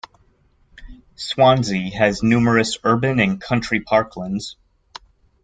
Swansea has numerous urban and country parklands.